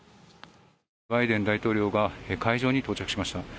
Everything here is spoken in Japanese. バイデン大統領が会場に到着しました。